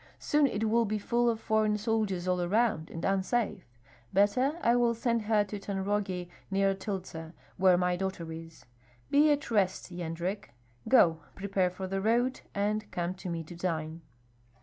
Soon it will be full of foreign soldiers all around, and unsafe. Better, I will send her to Tanrogi, near Tyltsa, where my daughter is. Be at rest, Yendrek. Go, prepare for the road, and come to me to dine."